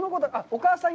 お母さん羊。